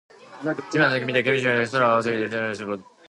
地面を覗き見て植生や地理を知り、空を仰ぎ見て天文や気象を勉強すること。